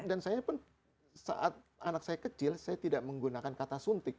dan saya pun saat anak saya kecil saya tidak menggunakan kata suntik